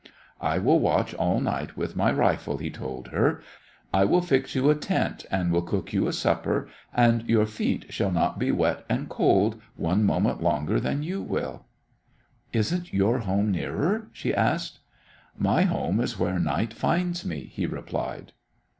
"I will watch all night with my rifle," he told her. "I will fix you a tent, and will cook you a supper, and your feet shall not be wet and cold one moment longer than you will." "Isn't your home nearer?" she asked. "My home is where night finds me," he replied.